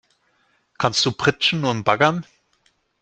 Kannst du pritschen und baggern?